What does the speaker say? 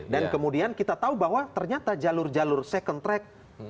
dan kemudian kita tahu bahwa ternyata jalur jalur second track